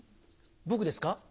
僕ですか？